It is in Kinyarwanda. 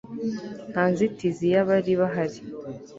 Nta nzitizi yabari bahari